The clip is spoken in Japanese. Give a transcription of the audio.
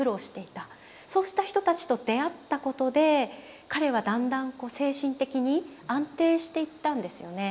そうした人たちと出会ったことで彼はだんだん精神的に安定していったんですよね。